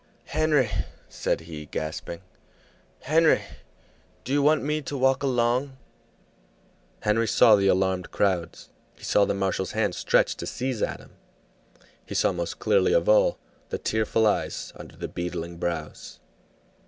"Henry," said he, gasping, "Henry, do you want me to walk along?" Henry saw the alarmed crowds, he saw the marshal's hand stretched to seize Adam, he saw most clearly of all the tearful eyes under the beetling brows.